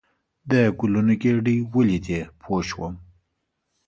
د ګلونو ګېدۍ ولیدې پوه شوم.